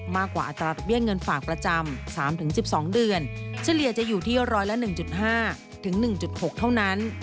มากกว่าอัตราดอกเบี้ยเงินฝากประจำ๓๑๒เดือนเฉลี่ยจะอยู่ที่ร้อยละ๑๕๑๖เท่านั้น